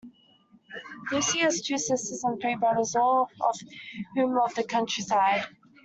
Lucy has two sisters and three brothers, all of whom love the countryside